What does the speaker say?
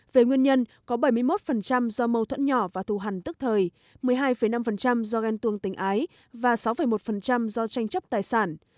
về nguyên nhân có bảy mươi một do mâu thuẫn nhỏ và thu hẳn tức thời một mươi hai năm do ghen tuồng tình ái và sáu một do tranh chấp tài sản